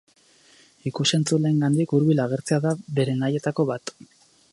Ikus-entzuleengandik hurbil agertzea da bere nahietako bat.